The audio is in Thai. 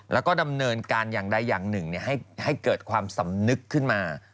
แล้วก็ดำเนินการอย่างใดอย่างหนึ่งให้เกิดความสำนึกขึ้นมา